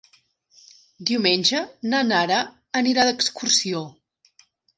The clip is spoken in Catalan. Diumenge na Nara anirà d'excursió.